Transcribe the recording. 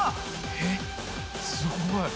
えっすごい！